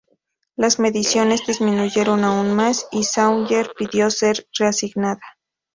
Las mediciones disminuyeron aún más, y Sawyer pidió ser reasignada.